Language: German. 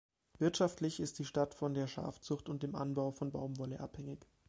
Wirtschaftlich ist die Stadt von der Schafzucht und dem Anbau von Baumwolle abhängig.